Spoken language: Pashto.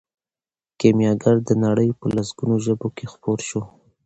کیمیاګر د نړۍ په لسګونو ژبو کې خپور شو.